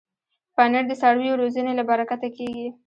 پنېر د څارویو روزنې له برکته کېږي.